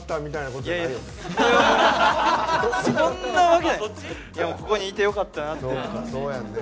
ここにいてよかったなと。